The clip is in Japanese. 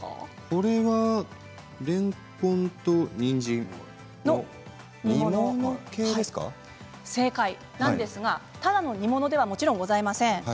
これはれんこんとにんじんの正解なんですがただの煮物ではもちろんございません。